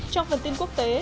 trong phần tin quốc tế